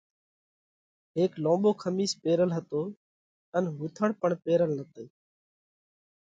هيڪ لونٻو کمِيس پيرل هتو ان ۿُونٿڻ پڻ پيرل نتئِي۔